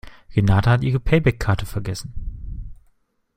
Renate hat ihre Payback-Karte vergessen.